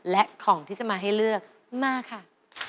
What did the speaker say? และของที่จะมาให้เลือกมาค่ะ